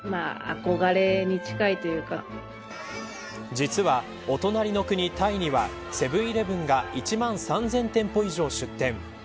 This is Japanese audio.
実は、お隣の国、タイにはセブン‐イレブンが１万３０００店舗以上出店。